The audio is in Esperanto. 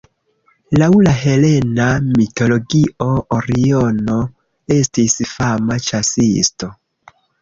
Laŭ la helena mitologio Oriono estis fama ĉasisto.